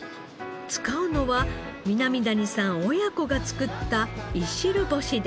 使うのは南谷さん親子が作ったいしる干しです。